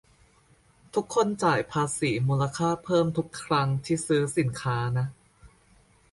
- ทุกคนจ่ายภาษีมูลค่าเพิ่มทุกครั้งที่ซื้อสินค้านะ